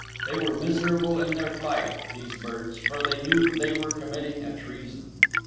They were miserable in their flight, these birds, for they knew they were committing a treason.